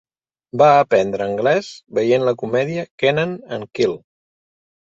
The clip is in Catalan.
Va aprendre anglès veient la comèdia Kenan and Kel.